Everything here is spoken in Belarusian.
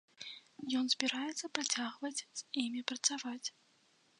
Ён збіраецца працягваць з імі працаваць.